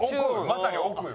まさに奥よ。